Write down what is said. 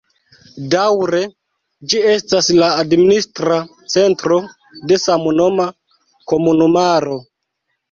Daŭre ĝi estas la administra centro de samnoma komunumaro.